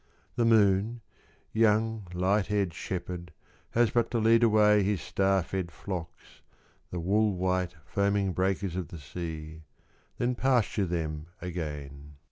— The moon, young light haired shepherd Has but to lead away his star fed flocks The wool white foaming breakers of the sea, Then pasture them again ;— 37 Barrel Organs.